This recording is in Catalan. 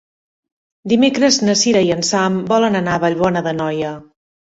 Dimecres na Cira i en Sam volen anar a Vallbona d'Anoia.